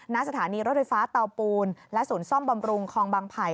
ณสถานีรถไฟฟ้าเตาปูนและศูนย์ซ่อมบำรุงคลองบางไผ่